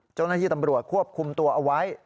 เจ้าหน้าที่ตำรวจควบคุมตัวเอาไว้